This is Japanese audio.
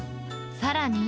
さらに。